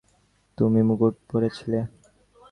তুমি মুকুট পরেছিলে।